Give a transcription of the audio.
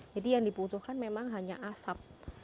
jadi yang diputuhkan memang hanya asap